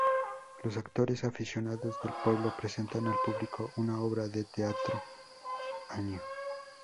Los actores aficionados del pueblo presentan al público una obra de teatro año.